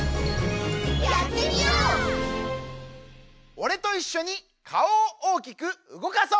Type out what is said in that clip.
おれといっしょにかおをおおきくうごかそう！